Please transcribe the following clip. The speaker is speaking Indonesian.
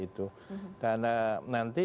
itu dan nanti